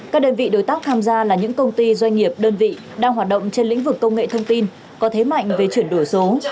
các đơn vị đối tác tham gia là những công ty doanh nghiệp đơn vị đang hoạt động trên lĩnh vực công nghệ thông tin có thế mạnh về chuyển đổi số